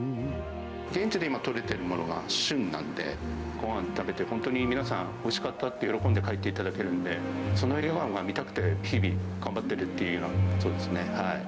現地で今取れているものが旬なんで、ごはん食べて、本当に皆さん、おいしかったって喜んで帰っていただけるんで、その笑顔が見たくて、日々、頑張ってるっていうようなことですね。